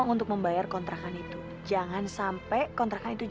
gak bisa ini pergi